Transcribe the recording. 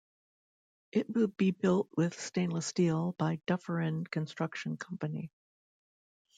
It will be built with stainless steel by Dufferin Construction Company.